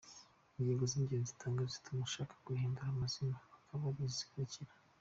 Ingingo z’ingenzi atanga zituma ashaka guhindura amazina akaba ari izi zikurikira:.